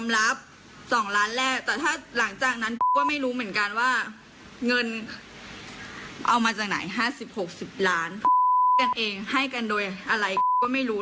๕๐๖๐ล้านให้กันเองให้กันโดยอะไรก็ไม่รู้